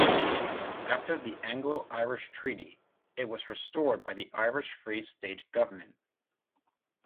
After the Anglo-Irish Treaty, it was restored by the Irish Free State government.